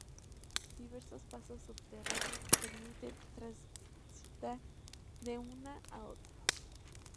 Diversos pasos subterráneos permiten transitar de una a otra.